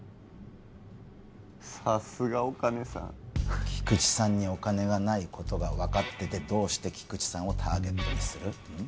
さすがお金さん菊池さんにお金がないことが分かっててどうして菊池さんをターゲットにする？